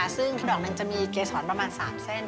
ซึ่งดอกหนึ่งจะมีเกษรประมาณ๓เส้น